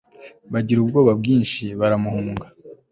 bagira ubwoba bwinshi baramuhunga